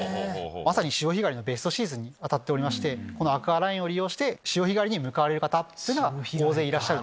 まさに潮干狩りのベストシーズンに当たっておりましてアクアラインを利用して潮干狩りに向かわれる方大勢いらっしゃる。